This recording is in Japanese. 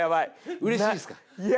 うれしいっすか？